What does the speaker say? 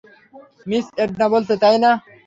Miss Edna বলেছে, তাই না?